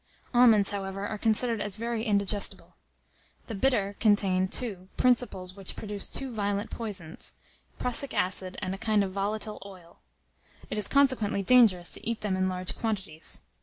Almonds, however, are considered as very indigestible. The bitter contain, too, principles which produce two violent poisons, prussic acid and a kind of volatile oil. It is consequently dangerous to eat them in large quantities.